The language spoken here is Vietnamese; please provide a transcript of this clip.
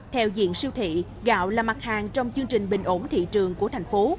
theo diện siêu thị gạo là mặt hàng trong chương trình bình ổn thị trường của thành phố